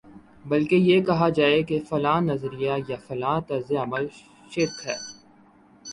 بلکہ یہ کہا جائے گا فلاں نظریہ یا فلاں طرزِ عمل شرک ہے